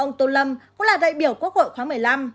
ông tôn lâm cũng là đại biểu quốc hội khoáng một mươi năm